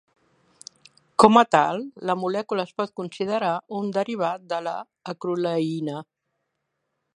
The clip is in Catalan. Com a tal, la molècula es pot considerar un derivat de l'acroleïna.